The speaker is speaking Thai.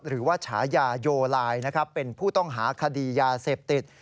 หรือว่าฉายาโยลายเป็นผู้ต้องหาคดียาเสพติด